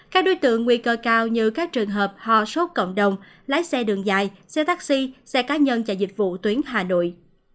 các đối tượng nguy cơ cao như các trường hợp ho sốt cộng đồng lái xe đường dài xe taxi xe cá nhân và dịch vụ tuyến hà nội